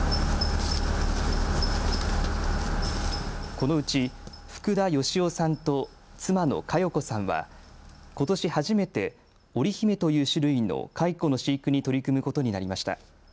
このうち福田芳男さんと妻の佳世子さんはことし初めて、おりひめという種類の蚕の飼育に取り組むことになりました。